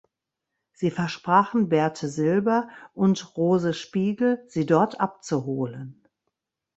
Sie versprachen Berthe Silber und Rose Spiegel sie dort abzuholen.